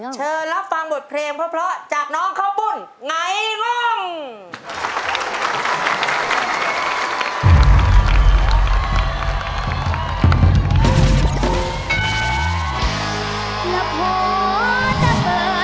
เชิญรับฟังบทเพลงเพราะจากน้องข้าวปุ้นไงง